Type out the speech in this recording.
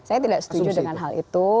saya tidak setuju dengan hal itu